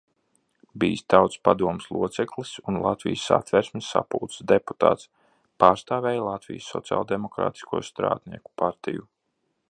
Bijis Tautas padomes loceklis un Latvijas Satversmes sapulces deputāts, pārstāvēja Latvijas Sociāldemokrātisko strādnieku partiju.